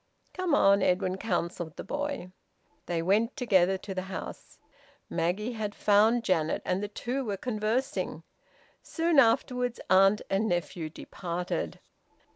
"Come on!" Edwin counselled the boy. They went together to the house. Maggie had found Janet, and the two were conversing. Soon afterwards aunt and nephew departed.